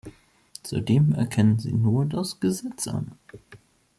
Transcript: Zudem erkennen sie nur das „Gesetz“ an.